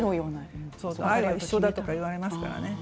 愛は一生だとか言われますからね。